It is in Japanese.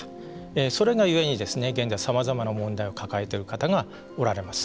それがゆえに現在さまざまな問題を抱えている方がおられます。